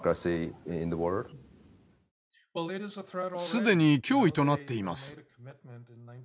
既に脅威となっています。